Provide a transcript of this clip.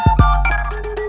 kau mau kemana